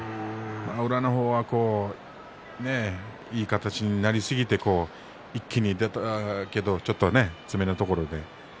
宇良の方は、いい形になりすぎて一気に出たけどちょっと詰めのところで。